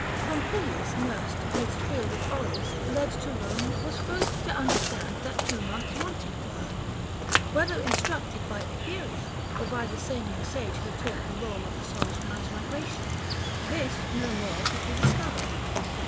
Pompilius, nursed 'Midst fields of olives, led to Rome, was first To understand that two months wanting were. Whether instructed by Egeria, 160 Or by the Samian sage who taught the lore Of the soul's transmigration ; this, no more Did he discover.